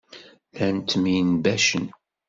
Llan ttemyenbacen.